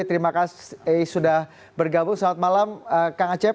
terima kasih sudah bergabung selamat malam kang acep